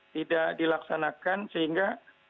tidak dilaksanakan sehingga